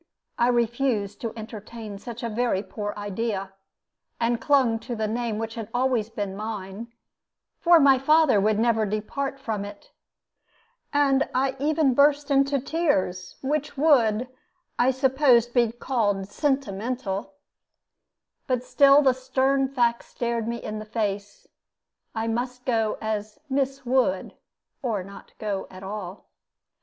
I refused to entertain such a very poor idea, and clung to the name which had always been mine for my father would never depart from it and I even burst into tears, which would, I suppose, be called "sentimental;" but still the stern fact stared me in the face I must go as "Miss Wood," or not go at all.